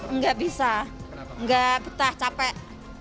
enggak bisa enggak betah capek